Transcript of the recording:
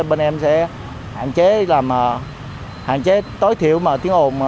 bên em sẽ hạn chế làm hạn chế tối thiểu tiếng ồn